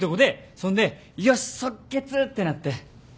そんでよし即決！ってなって。